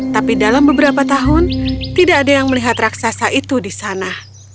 tapi dalam beberapa tahun tidak ada yang melihat raksasa itu di sana